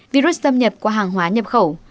virus xâm nhập qua hàng hóa nhập khẩu